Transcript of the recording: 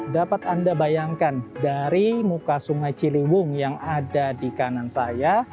dapat anda bayangkan dari muka sungai ciliwung yang ada di kanan saya